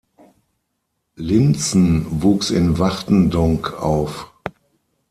Linssen wuchs in Wachtendonk auf.